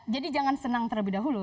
jadi jangan senang terlebih dahulu